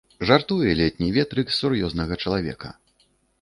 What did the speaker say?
Жартуе летні ветрык з сур'ёзнага чалавека.